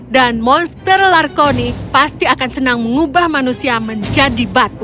dan monster larkoni pasti akan senang mengubah manusia menjadi batu